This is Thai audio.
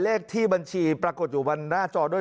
เลขที่บัญชีปรากฏอยู่บนหน้าจอด้วย